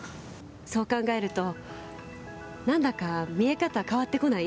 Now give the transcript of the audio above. そう考えると何だか、見え方変わってこない？